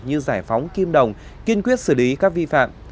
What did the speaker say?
như giải phóng kim đồng kiên quyết xử lý các vi phạm